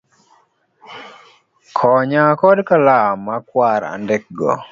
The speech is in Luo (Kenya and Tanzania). Konya kod Kalam makwar andikgo